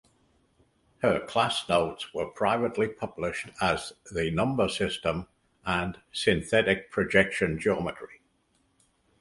Her class notes were privately published as "The Number System" and "Synthetic Projection Geometry".